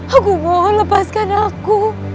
aku mohon lepaskan aku